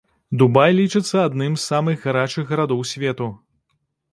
Дубай лічыцца адным з самых гарачых гарадоў свету.